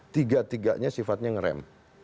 tiga tiganya sifatnya ngerem